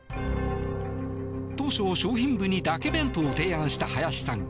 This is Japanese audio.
当初、商品部にだけ弁当を提案した林さん。